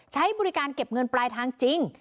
ใช้บริการเก็บเงินปลายทางจริง